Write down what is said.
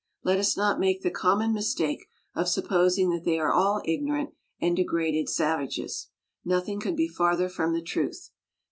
Let us not make the common mis take of supposing that they are all ignorant and degraded savages. Nothing could be farther from the truth.